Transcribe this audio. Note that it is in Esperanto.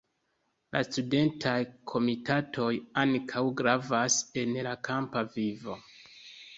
La studentaj komitatoj ankaŭ gravas en la kampa vivo.